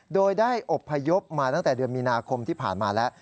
โดยได้อบพยพมาตั้งแต่เดือนมีนาคมที่ผ่านมาแล้ว